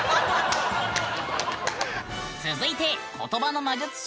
続いて言葉の魔術師